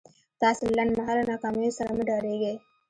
تاسې له لنډ مهاله ناکاميو سره مه ډارېږئ.